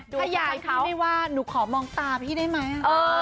ถ้ายายเขาไม่ว่าหนูขอมองตาพี่ได้ไหม